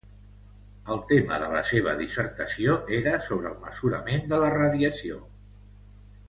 El tema de la seva dissertació era sobre el mesurament de la radiació.